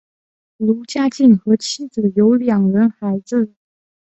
卢家进和妻子有两人孩子。